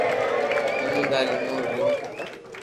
ايمونداري مون رھيوُ کپي